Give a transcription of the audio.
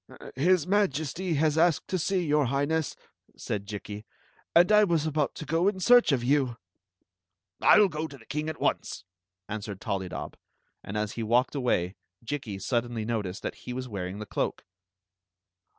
"His Majesty has asked to see your Highness," said Jikki ;" and I was about to go in search of you." " I 11 go to the king at once, answered ToUydob, and as he walked away Jikki suddenly noticed that he was wearing the cloak.